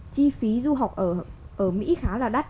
chi phí du học ở mỹ khá là đắt